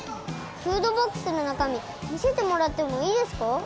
フードボックスのなかみみせてもらってもいいですか？